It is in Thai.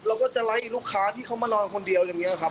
เราก็จะไล่ลูกค้าที่เขามานอนคนเดียวอย่างนี้ครับ